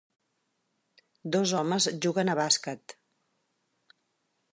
Dos homes juguen a bàsquet.